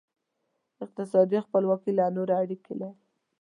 اقتصادي خپلواکي له نورو اړیکې لري.